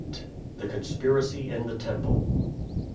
THE CONSPIRACY IN THE TEMPLE.